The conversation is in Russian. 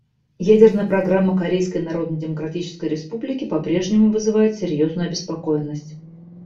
Ядерная программа Корейской Народно-Демократической Республики по-прежнему вызывает серьезную обеспокоенность.